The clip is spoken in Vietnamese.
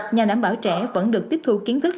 nhà đảm bảo trẻ vẫn được tiếp thu kiến thức